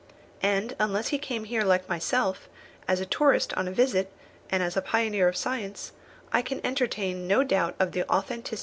And unless he came here, like myself, as a tourist on a visit and as a pioneer of science, I can entertain no doubt of the authenticity of his remote origin."